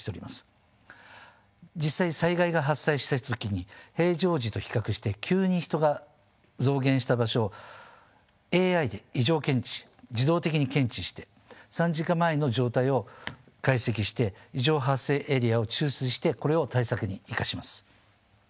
実際災害が発生した時に平常時と比較して急に人が増減した場所をＡＩで異常検知自動的に検知して３時間前の状態を解析して異常発生エリアを抽出してこれを対策に生かします。